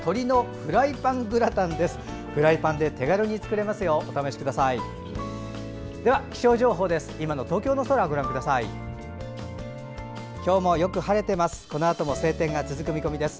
フライパンで手軽に作れますよ。